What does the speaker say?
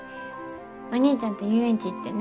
お兄ちゃんと遊園地行ってね。